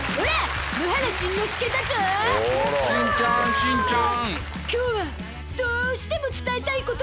しんちゃんしんちゃん。